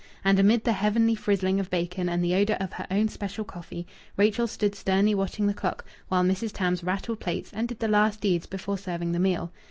And amid the heavenly frizzling of bacon and the odour of her own special coffee Rachel stood sternly watching the clock while Mrs. Tams rattled plates and did the last deeds before serving the meal.